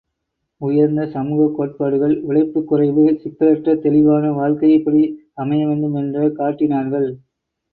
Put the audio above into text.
உயர்ந்த சமூகக் கோட்பாடுகள் உழைப்புக் குறைவு சிக்கலற்ற தெளிவான வாழ்க்கை இப்படி அமையவேண்டும் என்ற காட்டினார்கள்.